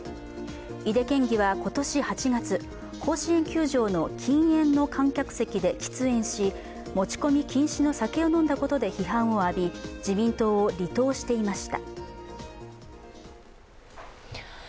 井手県議は今年８月甲子園球場の禁煙の観客席で喫煙し持ち込み禁止の酒を飲んだことで批判を浴び、自党を離党していました。